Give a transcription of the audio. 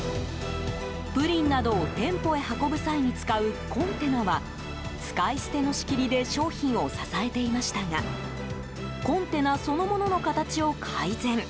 プリンなどを店舗へ運ぶ際に使うコンテナは使い捨ての仕切りで商品を支えていましたがコンテナそのものの形を改善。